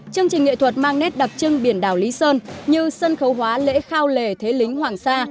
chương trình nghệ thuật mang nét đặc trưng biển đảo lý sơn như sân khấu hóa lễ khao lề thế lính hoàng sa